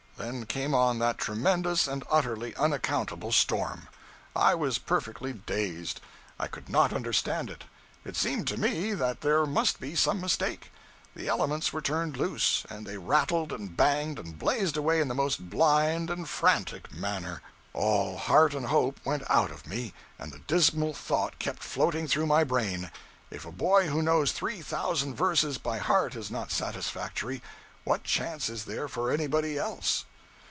Then came on that tremendous and utterly unaccountable storm. I was perfectly dazed; I could not understand it. It seemed to me that there must be some mistake. The elements were turned loose, and they rattled and banged and blazed away in the most blind and frantic manner. All heart and hope went out of me, and the dismal thought kept floating through my brain, 'If a boy who knows three thousand verses by heart is not satisfactory, what chance is there for anybody else?'